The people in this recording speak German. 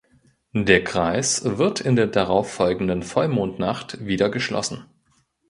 Der Kreis wird in der darauffolgenden Vollmondnacht wieder geschlossen.